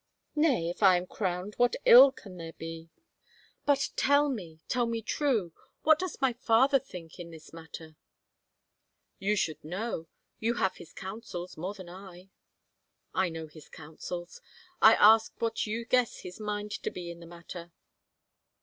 " Nay, if I am crowned what ill can there be ? But tell me, tell me true, what dost my father think in this matter ?" i66 IN HEVER CASTLE " You shotild know ; you have his counsels more than I." " I know his counsels — I ask what you guess his mind to be in the matter."